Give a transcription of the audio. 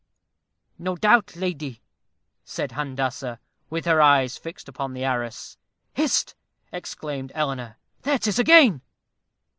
"No doubt, lady," said Handassah, with her eyes fixed upon the arras. "Hist!" exclaimed Eleanor, "there 'tis again."